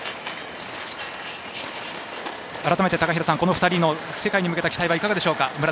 改めて、この２人の世界に向けた期待はいかがでしょうか。